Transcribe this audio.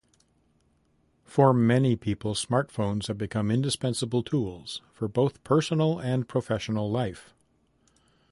For many people, smartphones have become indispensable tools for both personal and professional life.